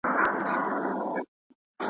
هر شعر باید پیغام ولري